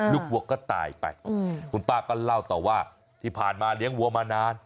วัวก็ตายไปคุณป้าก็เล่าต่อว่าที่ผ่านมาเลี้ยงวัวมานาน